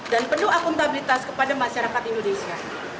dan penuh akuntabilitas kepada masyarakat indonesia